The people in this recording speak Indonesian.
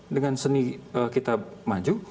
dengan seni kita maju